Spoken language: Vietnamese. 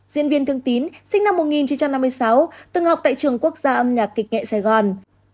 diễn viên thương tín sinh năm một nghìn chín trăm năm mươi sáu từng học tại trường quốc gia âm nhạc kịch nghệ sài gòn